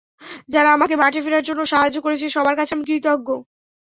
যারা আমাকে মাঠে ফেরার জন্য সাহাঘ্য করেছে, সবার কাছে আমি কৃতজ্ঞ।